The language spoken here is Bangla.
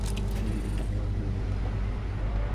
তুই গাড়ির দরজা খুলে আমাকে সালাম দিতি, তাই না?